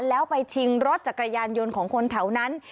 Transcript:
แล้วไปชิงรถจักรยานยนต์ของคนแถวนั้น